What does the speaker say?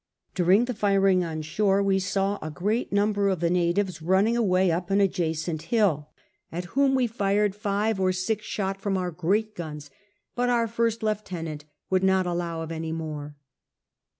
During the firing on shore we . saw a great number of the natives running away up an adjacent hiU, at i 62 CAPTAIN COOK CHAP. whom we fired five or six shot from oiir great guns, but our first lieutenant would not allow of any more.